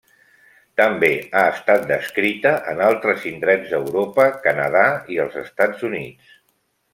També ha estat descrita en altres indrets d'Europa, Canadà i els Estats Units.